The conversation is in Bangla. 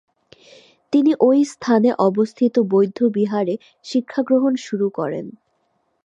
তিনি ঐ স্থানে অবস্থিত বৌদ্ধবিহারে শিক্ষাগ্রহণ শুরু করেন।